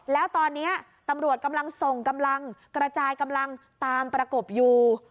แล้วตอนนี้ตำรวจกำลังส่งกำลังกระจายกำลังตามประกบอยู่